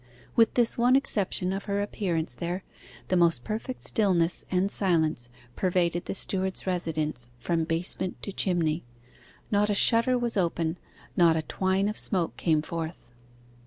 With this one exception of her appearance there, the most perfect stillness and silence pervaded the steward's residence from basement to chimney. Not a shutter was open; not a twine of smoke came forth.